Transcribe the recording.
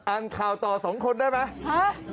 อ่านข่าวต่อสองคนได้ไหม